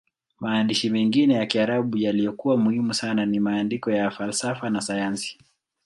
Maandishi mengine ya Kiarabu yaliyokuwa muhimu sana ni maandiko ya falsafa na sayansi.